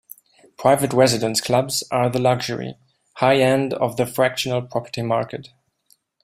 Private residence clubs are the luxury, high end of the fractional property market.